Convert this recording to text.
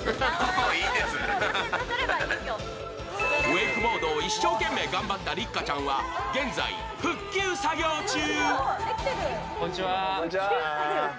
ウェイクボードを一生懸命頑張った六花ちゃんは現在、復旧作業中。